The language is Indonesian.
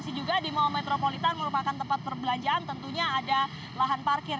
di mall metropolitan merupakan tempat perbelanjaan tentunya ada lahan parkir